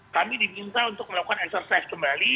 kami diminta untuk melakukan exercise kembali